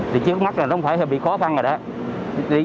thì trước mắt là nó không phải bị khó phăn rồi đó